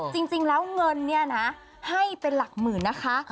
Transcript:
จริงแล้วเงินให้เป็นหลักหมื่นนะคะ